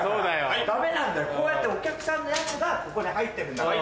ダメなんだよこうやってお客さんのやつがここに入ってるんだから。